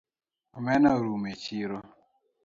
Omena orumo echiro